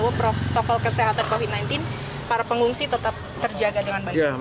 bahwa protokol kesehatan covid sembilan belas para pengungsi tetap terjaga dengan baik